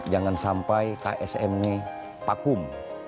jangan sampai ksm ini pakum